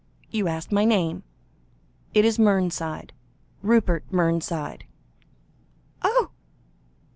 You asked my name: it is Mernside Rupert Mernside." "Oh!"